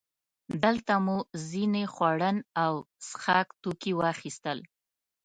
دلته مو ځینې خوړن او څښاک توکي واخیستل.